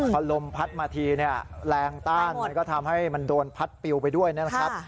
พอลมพัดมาทีเนี่ยแรงต้านมันก็ทำให้มันโดนพัดปิวไปด้วยนะครับ